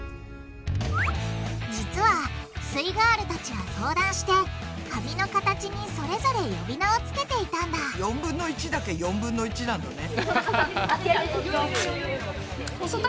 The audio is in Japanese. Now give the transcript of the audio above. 実はすイガールたちは相談して紙の形にそれぞれ呼び名を付けていたんだ４分の１だけ「４分の１」なんだね。